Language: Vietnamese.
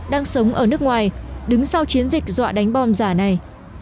đang sống ở nước ngoài đứng sau chiến dịch dọa đánh bom giả này